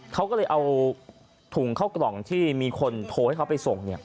เขาก็เลยเอาถุงเข้ากล่องที่มีคนโทรให้เขาไปส่ง